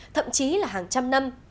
thậm chí là hàng trăm năm